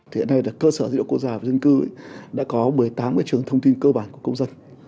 hiện nay là cơ sở dữ liệu quốc gia và dân cư đã có một mươi tám trường thông tin cơ bản của công dân